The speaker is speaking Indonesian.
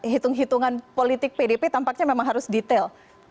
hitung hitungan politik pdp tampaknya memang harus detail